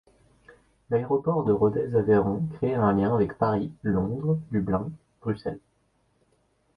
L'aéroport de Rodez-Aveyron crée un lien avec Paris, Londres, Dublin, Bruxelles.